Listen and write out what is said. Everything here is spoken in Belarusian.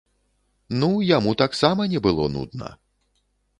Ну, яму таксама не было нудна.